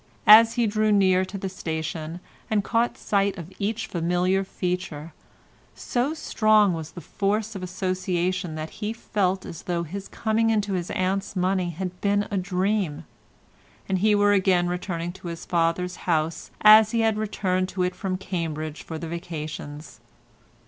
As he drew near to the station and caught sight of each familiar feature, so strong was the force of association that he felt as though his coming into his aunt's money had been a dream, and he were again returning to his father's house as he had returned to it from Cambridge for the vacations.